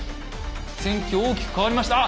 戦況大きく変わりましたあっ！